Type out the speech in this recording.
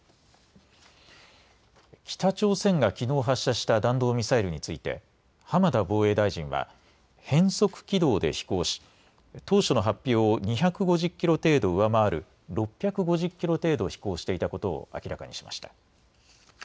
北朝鮮がきのう発射した弾道ミサイルについて浜田防衛大臣は変則軌道で飛行し当初の発表を２５０キロ程度上回る６５０キロ程度、飛行していたことを明らかにしました。